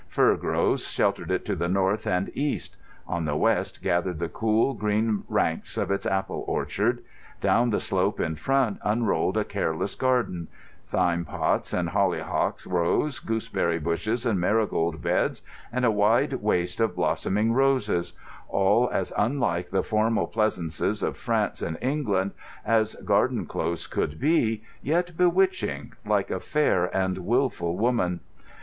Fir groves sheltered it to north and east. On the west gathered the cool, green ranks of its apple orchard. Down the slope in front unrolled a careless garden—thyme plots and hollyhock rows, gooseberry bushes and marigold beds, and a wide waste of blossoming roses—all as unlike the formal pleasances of France and England as garden close could be, yet bewitching, like a fair and wilful woman.